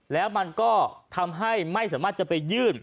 แล้วมันก็ทำให้ไม่สามารถจะไปยื่น